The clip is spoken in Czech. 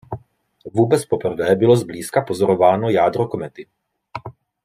Vůbec poprvé bylo zblízka pozorováno jádro komety.